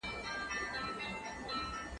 زه به سبا نان خورم!.